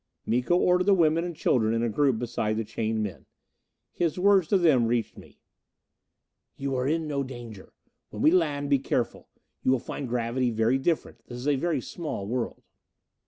Miko ordered the women and children in a group beside the chained men. His words to them reached me: "You are in no danger. When we land, be careful. You will find gravity very different this is a very small world."